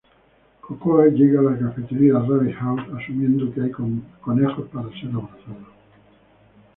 Cocoa llega a la cafetería Rabbit House, asumiendo que hay conejos para ser abrazados.